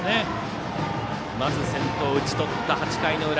まず先頭を打ち取った８回の裏。